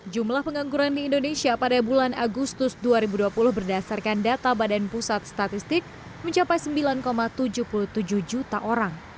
jumlah pengangguran di indonesia pada bulan agustus dua ribu dua puluh berdasarkan data badan pusat statistik mencapai sembilan tujuh puluh tujuh juta orang